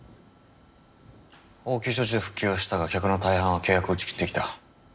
応急処置で復旧はしたが客の大半は契約を打ち切ってきた。